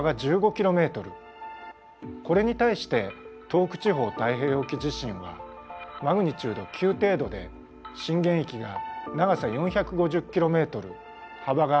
これに対して東北地方太平洋沖地震はマグニチュード９程度で震源域が長さ４５０ｋｍ幅が１５０ｋｍ。